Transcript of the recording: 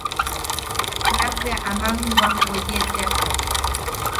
Nak bea aman wam weye tea.